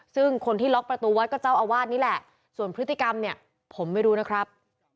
ซึ่งคนที่ล็อกประตูวัดก็เจ้าอาวาสนี่แหละส่วนพฤติกรรมเนี่ยผมไม่รู้นะครับ